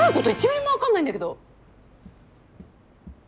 １ミリも分かんないんだけど。